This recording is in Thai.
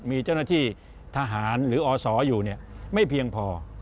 มีเจ้าหน้าที่ทหารหรืออศอยู่ไม่เพียงพอ